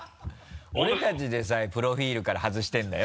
俺たちでさえプロフィルから外してるんだよ。